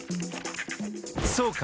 そうか！